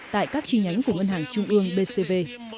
tại các chi nhánh của ngân hàng trung ương bcv